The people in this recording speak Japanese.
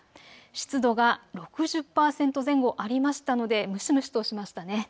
湿度が６０％前後ありましたので蒸し蒸しとしましたね。